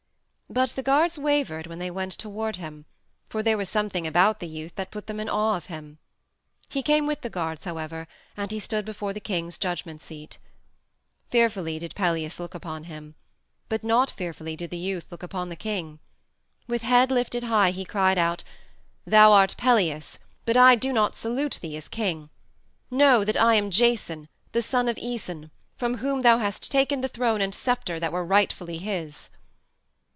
But the guards wavered when they went toward him, for there was something about the youth that put them in awe of him. He came with the guards, however, and he stood before the king's judgment seat. Fearfully did Pelias look upon him. But not fearfully did the youth look upon the king. With head lifted high he cried out, "Thou art Pelias, but I do not salute thee as king. Know that I am Jason, the son of Æson from whom thou hast taken the throne and scepter that were rightfully his."